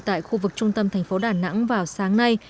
ghi nhận tại khu vực trung tâm thành phố đà nẵng vào sáng nay